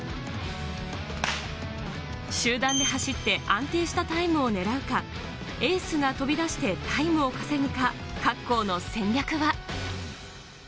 集団で走って安定したタイムを狙うか、エースが飛び出してタイムを稼ぐか、各校の戦略は？